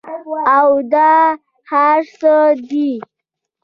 او دا هر څۀ دي